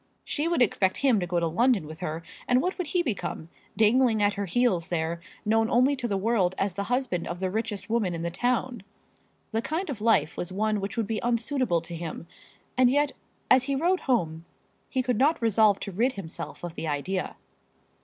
She would expect him to go to London with her; and what would he become, dangling at her heels there, known only to the world as the husband of the richest woman in the town? The kind of life was one which would be unsuitable to him; and yet, as he rode home, he could not resolve to rid himself of the idea.